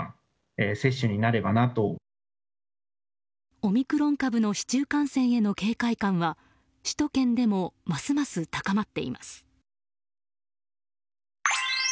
オミクロン株の市中感染への警戒感は首都圏でもますます高まっています。